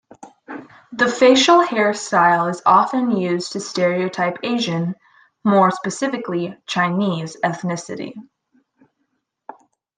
The facial hair style is often used to stereotype Asian, more specifically Chinese, ethnicity.